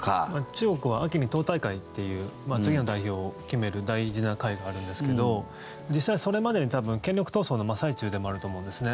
中国は秋に党大会という次の代表を決める大事な会議があるんですけど実際、それまで多分権力闘争の真っ最中でもあると思うんですね。